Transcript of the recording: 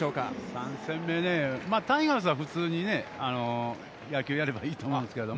３戦目ねタイガースは普通に、野球をやればいいと思うんですけれども。